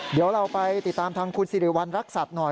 เดี๋ยวเราไปติดตามทางคุณสิริวัณรักษัตริย์หน่อย